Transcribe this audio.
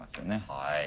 はい。